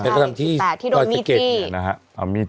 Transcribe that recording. นี่๑๘ที่โดนมีที่